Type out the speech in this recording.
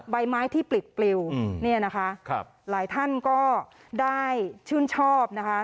ใบไม้ที่ปลิดปลิวเนี่ยนะคะหลายท่านก็ได้ชื่นชอบนะคะ